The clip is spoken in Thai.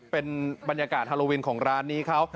เป็นบรรยากาศฮาโลวินของร้านนี้เขา